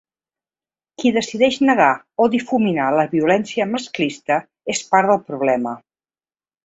Qui decideix negar o difuminar la violència masclista és part del problema.